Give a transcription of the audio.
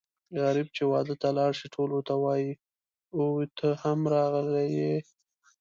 غريب چې واده ته لاړ شي ټول ورته وايي اووی ته هم راغلی یې.